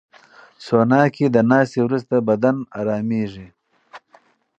سونا کې د ناستې وروسته بدن ارامه کېږي.